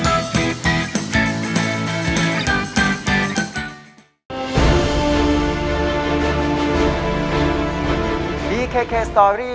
จิตกรุงเทพฯที่สมัยการมีผู้ชายรอบภาษากับกรุงเทพฯ